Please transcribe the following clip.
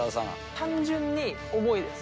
単純に、重いです。